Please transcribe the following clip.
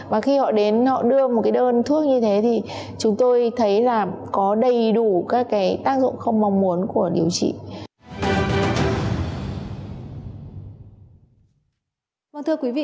và khi họ đến họ đưa một cái đơn thuốc như thế thì chúng tôi thấy là có đầy đủ các cái tác dụng không mong muốn của điều trị